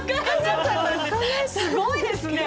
すごいですね。